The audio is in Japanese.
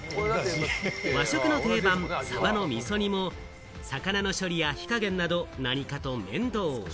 和食の定番・サバのみそ煮も魚の処理や火加減など、何かと面倒。